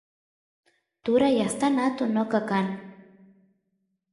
turay astan atun noqa kan